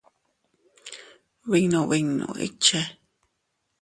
Binnu binnu ikche.